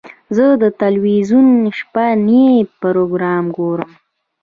زه د تلویزیون شپهني پروګرام ګورم.